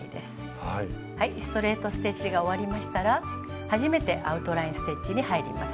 ストレート・ステッチが終わりましたら初めてアウトライン・ステッチに入ります。